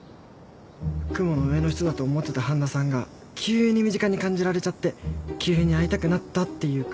雲の上の人だと思ってた半田さんが急に身近に感じられちゃって急に会いたくなったっていうか。